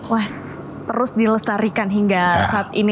wah terus dilestarikan hingga saat ini